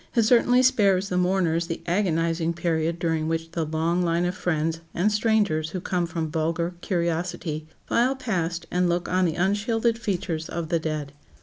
It certainly spares the mourners the agonizing period during which the long line of friends, and strangers who come from vulgar curiosity, file past and look on the unshielded features of the dead.